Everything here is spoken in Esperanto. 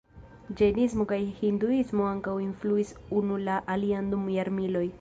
Ĝajnismo kaj Hinduismo ankaŭ influis unu la alian dum jarmiloj.